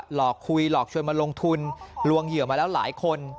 หลอกคุยหลอกชวนมาลงทุนลวงเหยื่อมาแล้วหลายคน